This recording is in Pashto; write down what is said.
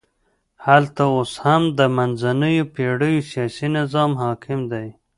هلته اوس هم د منځنیو پېړیو سیاسي نظام حاکم دی.